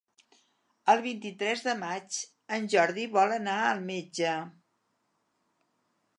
El vint-i-tres de maig en Jordi vol anar al metge.